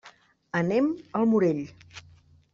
Anem al Morell.